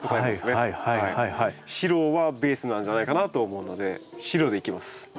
白はベースなんじゃないかなと思うので白でいきます。